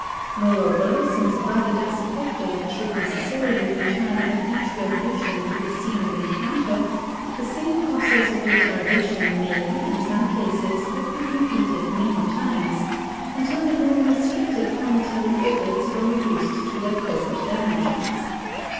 Moreover, since a body thus affected should necessarily return at each revolution to the scene of encounter, the same process of retardation may, in some cases, have been repeated many times, until the more restricted cometary orbits were reduced to their present dimensions.